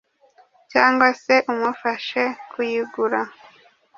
cyangwa se umufashe kuyigura,